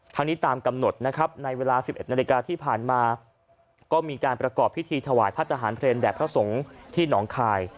ทางนี้ตามกำหนดในเวลา๑๑นาฬิกาที่ผ่านมา